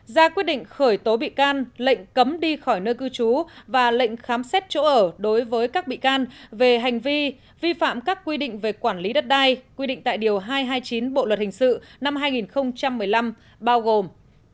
ra quyết định khởi tố bị can lệnh cấm đi khỏi nơi cư trú và lệnh khám xét chỗ ở đối với các bị can về hành vi vi phạm các quy định về quản lý đất đai quy định tại điều hai trăm hai mươi chín bộ luật hình sự năm hai nghìn một mươi năm bao gồm